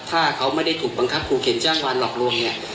ถ้าเขาไม่ได้ถูกบังคับครูเข็นจ้างวานหลอกลวงเนี่ย